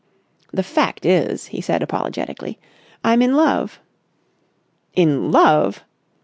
"The fact is," he said apologetically, "I'm in love!" "In love!"